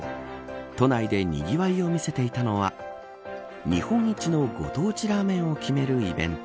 都内でにぎわいを見せていたのは日本一のご当地ラーメンを決めるイベント。